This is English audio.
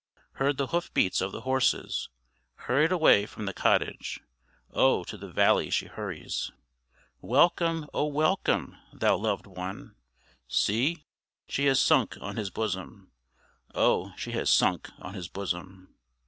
Heard the hoof beat of the horses, Hurried away from the cottage; Oh! to the valley she hurries. "Welcome, O welcome! thou loved one." See, she has sunk on his bosom; Oh! she has sunk on his bosom.